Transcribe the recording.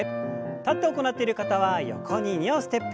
立って行っている方は横に２歩ステップ。